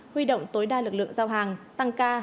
huy động tối đa lực lượng giao hàng tăng ca